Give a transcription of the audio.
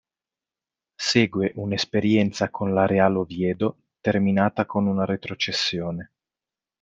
Segue un'esperienza con la Real Oviedo, terminata con una retrocessione.